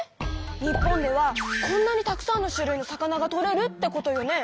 日本ではこんなにたくさんの種類の魚がとれるってことよね。